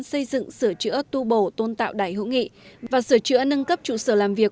xây dựng sửa chữa tu bổ tôn tạo đài hữu nghị và sửa chữa nâng cấp trụ sở làm việc